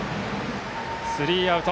スリーアウト。